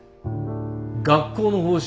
学校の方針